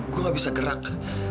gue gak bisa gerak